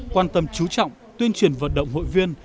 quan tâm chú trọng tuyên truyền vận động hội viên